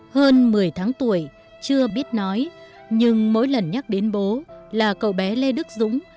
hơn một mươi tháng tuổi chưa biết nói nhưng mỗi lần nhắc đến bố là cậu bé lê đức dũng